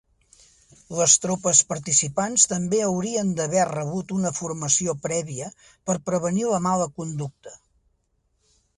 Les tropes participants també haurien d'haver rebut una formació prèvia per prevenir la mala conducta.